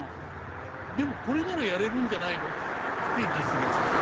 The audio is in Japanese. でもこれならやれるんじゃないのって実現させた。